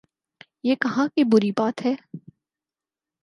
یہ کہاں کی بری بات ہے؟